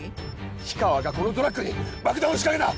氷川がこのトラックに爆弾を仕掛けた！